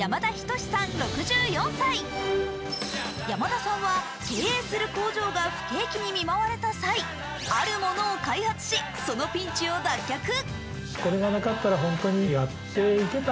山田さんは経営する工場が不景気に見舞われた際、あるものを開発し、そのピンチを脱却。